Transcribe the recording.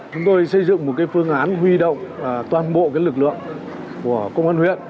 chúng tôi xây dựng một phương án huy động toàn bộ lực lượng của công an huyện